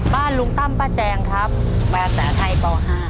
ลุงตั้มป้าแจงครับภาษาไทยป๕